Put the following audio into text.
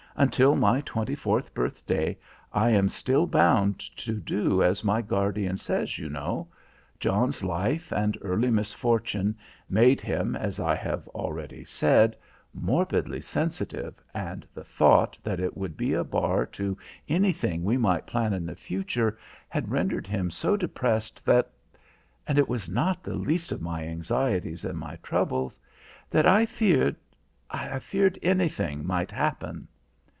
Until my twenty fourth birthday I am still bound to do as my guardian says, you know. John's life and early misfortune made him, as I have already said, morbidly sensitive and the thought that it would be a bar to anything we might plan in the future, had rendered him so depressed that and it was not the least of my anxieties and my troubles that I feared... I feared anything might happen."